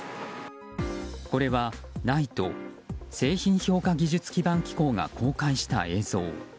これはＮＩＴＥ・製品評価技術基盤機構が公開した映像。